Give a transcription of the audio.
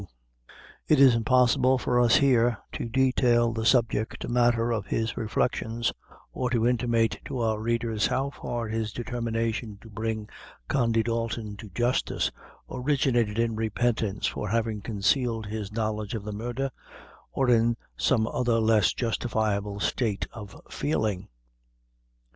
It is impossible for us here to detail the subject matter of his reflections, or to intimate to our readers how far his determination to bring Condy Dalton to justice originated in repentance for having concealed his knowledge of the murder, or in some other less justifiable state of feeling.